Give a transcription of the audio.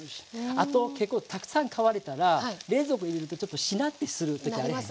あと結構たくさん買われたら冷蔵庫入れるとちょっとしなってする時あれへん？